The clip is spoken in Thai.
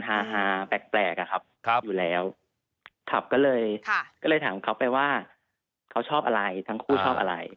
ฮาฮาแปลกอะครับครับอยู่แล้วครับก็เลยค่ะก็เลยถามเขาไปว่าเขาชอบอะไร